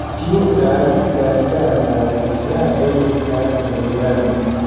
Tjurkaj Jarsanaj enklavoj estas en Irano.